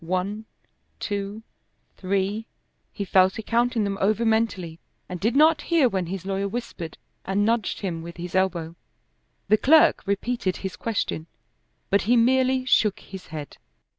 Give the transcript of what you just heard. One, two, three he fell to counting them over mentally and did not hear when his lawyer whispered and nudged him with his elbow. The clerk repeated his question, but he merely shook his head.